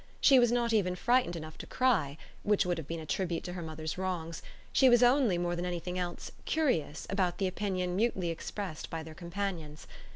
She was not even frightened enough to cry, which would have been a tribute to her mother's wrongs: she was only, more than anything else, curious about the opinion mutely expressed by their companions.